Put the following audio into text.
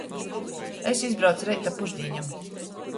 Es izbraucu reit ap pušdīnem.